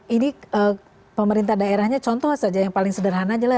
ini pemerintah daerahnya contoh saja yang paling sederhana adalah